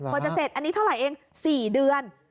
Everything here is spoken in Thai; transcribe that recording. พอจะเสร็จอันนี้เท่าไหร่เอง๔เดือน